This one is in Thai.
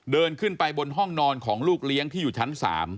เดินขึ้นไปบนห้องนอนของลูกเลี้ยงที่อยู่ชั้น๓